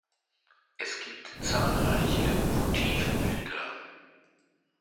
Es gibt zahlreiche Votivbilder.